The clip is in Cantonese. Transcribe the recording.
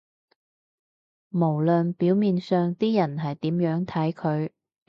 無論表面上啲人係點樣睇佢